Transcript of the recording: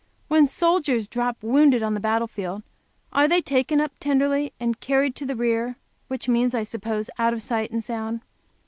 When soldiers drop wounded on the battle field, they are taken up tenderly and carried "to the rear," which means, I suppose, out of sight and sound.